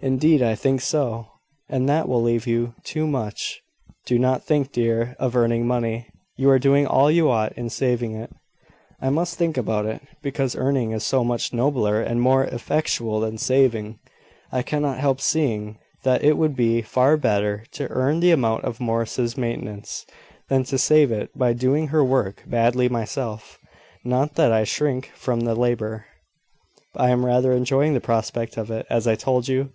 "Indeed, I think so; and that will leave you too much. Do not think, dear, of earning money. You are doing all you ought in saving it." "I must think about it, because earning is so much nobler and more effectual than saving. I cannot help seeing that it would be far better to earn the amount of Morris's maintenance, than to save it by doing her work badly myself. Not that I shrink from the labour: I am rather enjoying the prospect of it, as I told you.